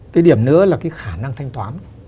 cái điểm nữa là cái khả năng thanh toán